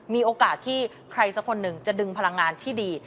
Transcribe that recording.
มีโอกาสที่ใครสักคนหนึ่งจะดึงพลังงานที่ดี